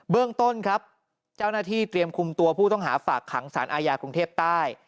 เรื่องต้นครับเจ้าหน้าที่เตรียมคุมตัวผู้ต้องหาฝากขังสารอาญากรุงเทพใต้